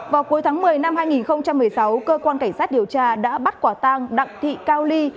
vào cuối tháng một mươi năm hai nghìn một mươi sáu cơ quan cảnh sát điều tra đã bắt quả tang đặng thị cao ly